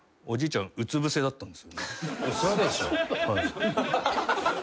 おじいちゃんうつぶせだった。